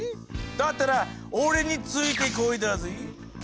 だったらオレについてこいだぜ。